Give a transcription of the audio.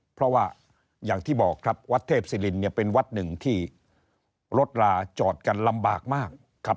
เพราะว่าอย่างที่บอกครับ